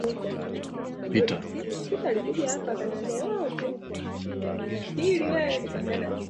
mwanasheria mabere marando alipata uugwaji mkono kutoka kwa vyama vya upinzani